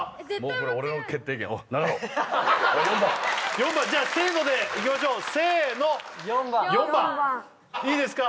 ４番じゃせーのでいきましょうせーの４番４番いいですか？